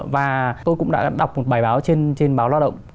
và tôi cũng đã đọc một bài báo trên báo lao động